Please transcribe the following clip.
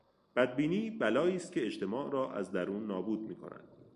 بدبینی بلایی است که اجتماع را از درون نابود میکند.